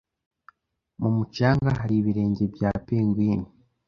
Mu mucanga hari ibirenge bya penguin.